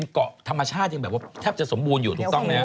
เกาะธรรมชาติยังแบบว่าแทบจะสมบูรณ์อยู่ถูกต้องไหมครับ